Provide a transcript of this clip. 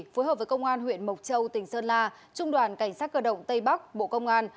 phối hợp với công an huyện mộc châu tỉnh sơn la trung đoàn cảnh sát cơ động tây bắc bộ công an